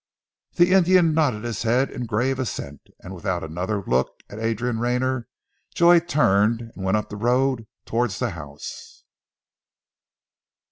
The Indian nodded his head in grave assent, and without another look at Adrian Rayner, Joy turned and went up the road towards the house.